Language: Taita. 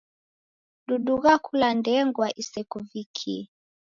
Dudugha kula ndengwa isevikie.